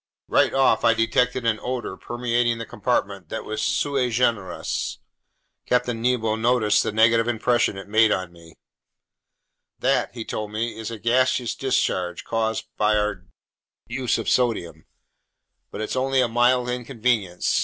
Right off, I detected an odor permeating the compartment that was sui generis.* Captain Nemo noticed the negative impression it made on me. *Latin: "in a class by itself." Ed. "That," he told me, "is a gaseous discharge caused by our use of sodium, but it's only a mild inconvenience.